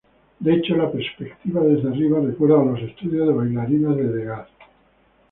De hecho, la perspectiva desde arriba recuerda los estudios de bailarinas de Degas.